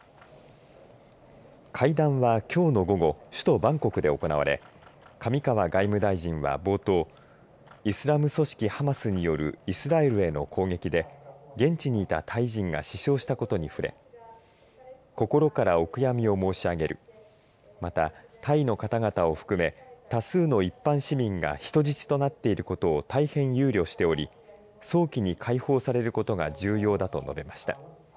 会談はきょうの午後首都バンコクで行われ上川外務大臣は冒頭イスラム組織ハマスによるイスラエルへの攻撃で現地にいたタイ人が死傷したことに触れ心からお悔やみを申し上げるまたタイの方々を含め多数の一般市民が人質となっていることを大変憂慮しており早期に解放されることが重要だと述べました。